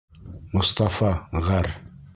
Мостафа ғәр.